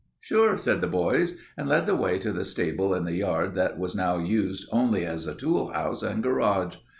"Sure," said the boys, and led the way to the stable in the yard that was now used only as a tool house and garage.